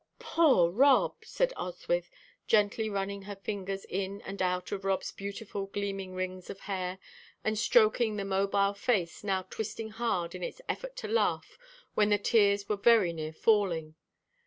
"Poor Rob!" said Oswyth, gently running her fingers in and out of Rob's beautiful, gleaming rings of hair, and stroking the mobile face, now twisting hard in its effort to laugh when the tears were very near falling.